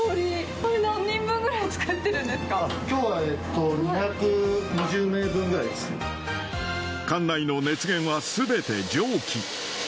これ、何人分ぐらい作ってるんできょうは２２０名分ぐらいで艦内の熱源はすべて蒸気。